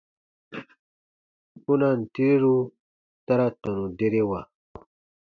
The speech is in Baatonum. Kpunaan tireru ta ra tɔnu derewa.